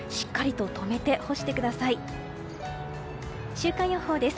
週間予報です。